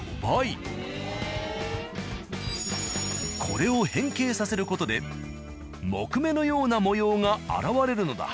これを変形させる事で木目のような模様が現れるのだ。